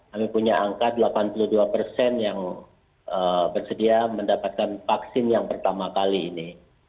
kami punya angka delapan puluh dua persen yang bersedia mendapatkan vaksin yang pertama kali ini